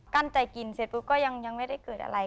กั้นใจกินเสร็จปุ๊บก็ยังไม่ได้เกิดอะไร